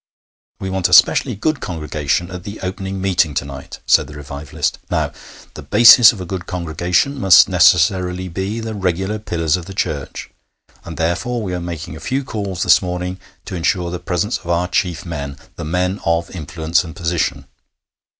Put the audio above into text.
'We want a specially good congregation at the opening meeting to night,' said the revivalist. 'Now, the basis of a good congregation must necessarily be the regular pillars of the church, and therefore we are making a few calls this morning to insure the presence of our chief men the men of influence and position.